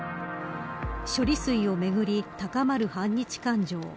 処理水をめぐり高まる反日感情。